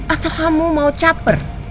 atau kamu mau caper